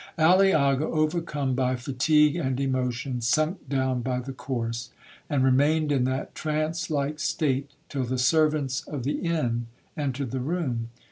'Aliaga, overcome by fatigue and emotion, sunk down by the corse, and remained in that trance like state till the servants of the inn entered the room.